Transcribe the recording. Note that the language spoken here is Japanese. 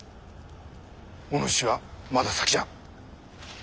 お主はまだ先じゃ。